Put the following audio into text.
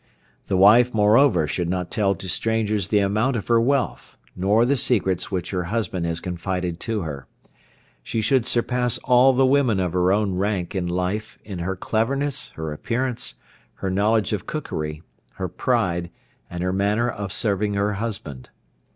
The wife, moreover, should not tell to strangers the amount of her wealth, nor the secrets which her husband has confided to her. She should surpass all the women of her own rank in life in her cleverness, her appearance, her knowledge of cookery, her pride, and her manner of serving her husband.